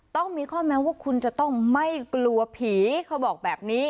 ต้องมีข้อแม้ว่าคุณจะต้องไม่กลัวผีเขาบอกแบบนี้